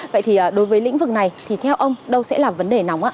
vậy thì đối với lĩnh vực này thì theo ông đâu sẽ là vấn đề nóng ạ